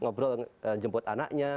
ngobrol jemput anaknya